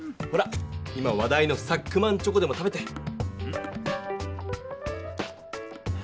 ほら今話題のサックマンチョコでも食べて。